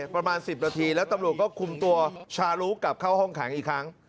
ประมาณ๑๐นาทีแล้วตำรวจก็คุมตัวชารู้กลับเข้าห้องขังอีกครั้ง